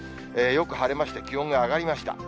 よく晴れまして気温が上がりました。